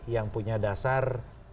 yang punya dasar